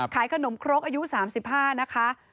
ขายขนมครกอายุ๓๕นะคะ